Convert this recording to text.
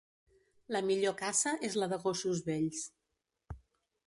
La millor caça és la de gossos vells.